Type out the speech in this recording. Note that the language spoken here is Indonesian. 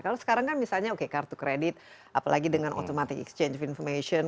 kalau sekarang kan misalnya oke kartu kredit apalagi dengan automatic exchange of information